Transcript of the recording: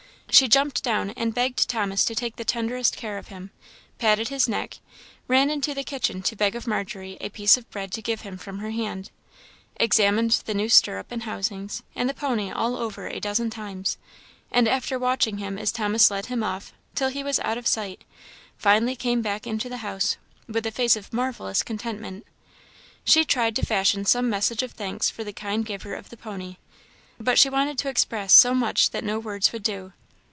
She jumped down, and begged Thomas to take the tenderest care of him; patted his neck; ran into the kitchen to beg of Margery a piece of bread to give him from her hand; examined the new stirrup and housings, and the pony all over a dozen times; and after watching him as Thomas led him off, till he was out of sight, finally came back into the house with a face of marvellous contentment. She tried to fashion some message of thanks for the kind giver of the pony; but she wanted to express so much that no words would do.